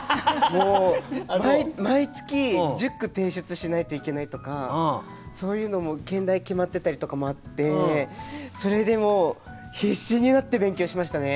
毎月１０句提出しないといけないとかそういうのも兼題決まってたりとかもあってそれでもう必死になって勉強しましたね。